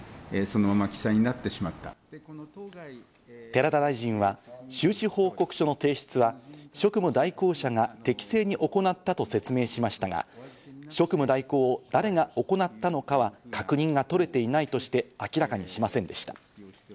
寺田大臣は収支報告書の提出は職務代行者が適正に行ったと説明しましたが、職務代行を誰が行ったのかは確認が取れていないとして明らかにしませんでした。